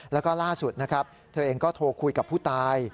แล้วก็ล่าสุดนะครับเธอเองก็โทรคุยกับผู้ตาย